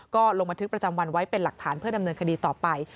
ก็ลงบันทึกประจำวันไว้เป็นหลักฐานเพื่อดำเนินคดีต่อไป